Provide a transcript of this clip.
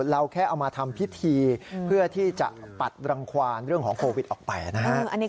เราแค่เอามาทำพิธีเพื่อที่จะปัดรังควานเรื่องของโควิดออกไปนะฮะ